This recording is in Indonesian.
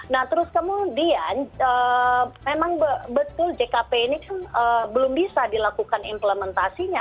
nah terus kemudian memang betul jkp ini kan belum bisa dilakukan implementasinya